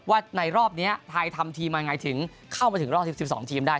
ว่าในรอบนี้ไทยทำทีมมายังไงถึงเข้ามาถึงรอบ๑๒ทีมได้